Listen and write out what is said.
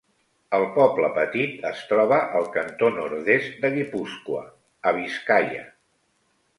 El poble petit es troba al cantó nord-est de Guipúscoa, a Biscaia.